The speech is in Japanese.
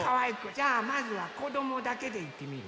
じゃあまずはこどもだけでいってみる？